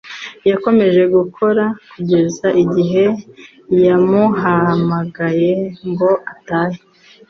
Yakomeje gukora kugeza igihe yamuhamagaye ngo atahe.